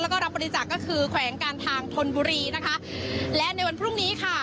แล้วก็รับบริจาคก็คือแขวงการทางธนบุรีนะคะและในวันพรุ่งนี้ค่ะ